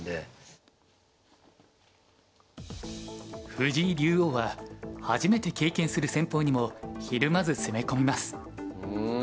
藤井竜王は初めて経験する戦法にもひるまず攻め込みます。